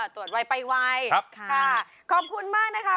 ตรวจวัยไปไวขอบคุณมากนะคะ